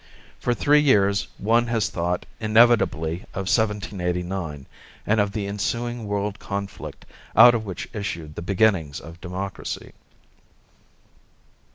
For three years one has thought inevitably of 1789, and of the ensuing world conflict out of which issued the beginnings of democracy.